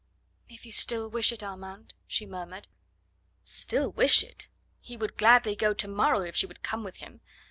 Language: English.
"If you still wish it, Armand," she murmured. Still wish it! He would gladly go to morrow if she would come with him.